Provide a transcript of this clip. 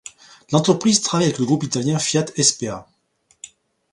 L'entreprise travaille avec le groupe italien Fiat SpA.